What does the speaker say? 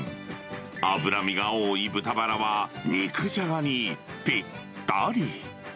脂身が多い豚バラは、肉じゃがにぴったり。